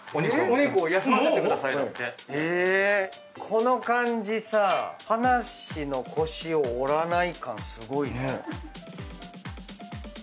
この感じさ話の腰を折らない感すごいね。